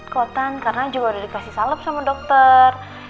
kok tan karena juga udah dikasih salep sama dokter